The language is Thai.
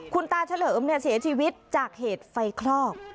คุณตาเฉลิมเสียชีวิตจากเหตุไฟคลอก